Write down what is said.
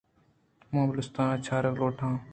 من بلوچستان ءَ چارگ لوٹ آں .